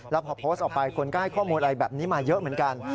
แล้วพอโพสต์ออกไปคนก็ให้ข้อมูลอะไรแบบนี้มาเยอะเหมือนกัน